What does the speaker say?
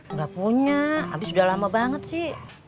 nggak punya abis udah lama banget sih